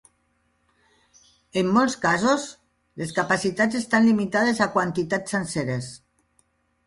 En molts casos, les capacitats estan limitades a quantitats senceres.